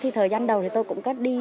thì thời gian đầu tôi cũng có đi